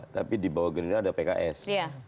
tapi di bawah gerindra ada pks